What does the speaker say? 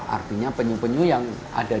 artinya penyu penyu yang ada